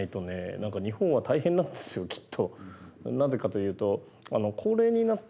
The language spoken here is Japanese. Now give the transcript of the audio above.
何か日本は大変なんですよきっと。